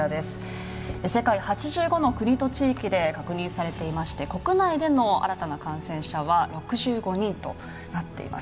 世界８５の国と地域で確認されていまして国内での新たな感染者は６５人となっています。